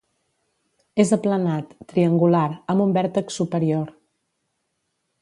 És aplanat, triangular, amb un vèrtex superior.